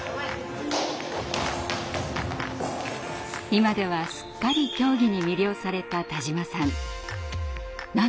今ではすっかり競技に魅了された田島さん。